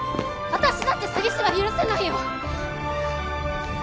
私だって詐欺師は許せないよ！